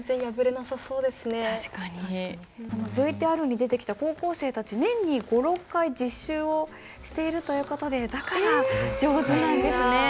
ＶＴＲに出てきた高校生たち年に５６回実習をしているという事でだから上手なんですね。